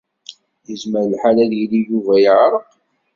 Yezmer lḥal ad yili Yuba yeɛreq.